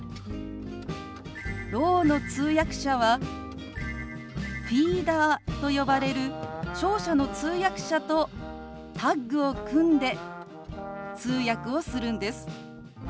ろうの通訳者はフィーダーと呼ばれる聴者の通訳者とタッグを組んで通訳をするんです。